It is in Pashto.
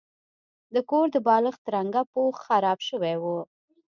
د کور د بالښت رنګه پوښ خراب شوی و.